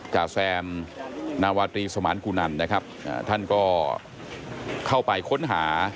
จ่าแซมนาวาตรีสมานกุนันนะครับท่านก็เข้าไปค้นหา